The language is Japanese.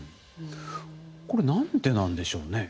これ何でなんでしょうね？